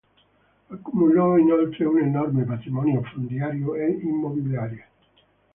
Accumulò inoltre un enorme patrimonio fondiario e immobiliare.